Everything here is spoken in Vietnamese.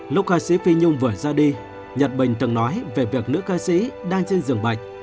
lúc ca sĩ phi nhung vừa ra đi nhật bình từng nói về việc nữ ca sĩ đang trên giường bệnh